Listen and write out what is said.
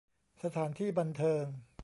สถานที่บันเทิง